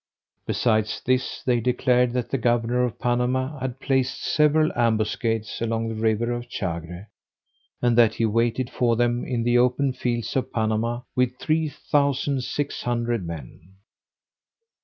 Besides this, they declared that the governor of Panama had placed several ambuscades along the river of Chagre; and that he waited for them in the open fields of Panama with three thousand six hundred men.